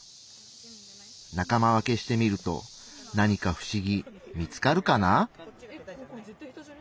仲間分けしてみると何か不思議見つかるかな？